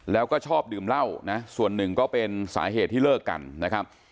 แล้วก็ชอบดื่มเหล้านะส่วนหนึ่งก็เป็นสาเหตุที่เลิกกันนะครับ